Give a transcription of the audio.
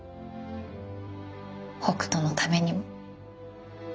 北斗のためにも。